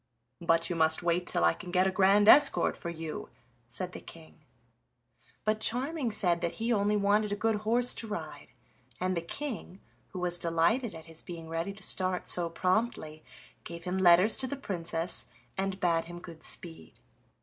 "But you must wait till I can get a grand escort for you," said the King. But Charming said that he only wanted a good horse to ride, and the King, who was delighted at his being ready to start so promptly, gave him letters to the Princess, and bade him good speed.